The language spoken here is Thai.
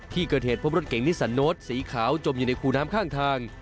ที่เกิดเหตุพบรถเก่งนิสันโน้ตสีขาวจมอยู่ในคูน้ำข้างทาง